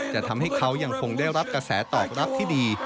จะทำให้เขายังคงได้รับกระแสตอบรับที่ดี